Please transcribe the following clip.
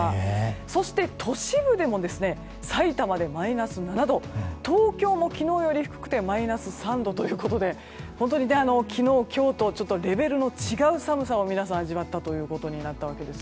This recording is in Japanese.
そして都市部でもさいたまでマイナス７度東京も昨日より低くてマイナス３度ということで本当に昨日、今日とレベルの違う寒さを皆さん、味わったということになったわけですね。